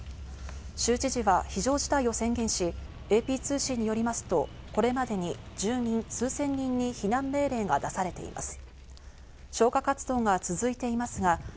州知事は非常事態を宣言し、ＡＰ通信によりますと、これまでに住民数千人に避難命令が出されています。